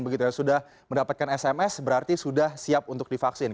begitu ya sudah mendapatkan sms berarti sudah siap untuk divaksin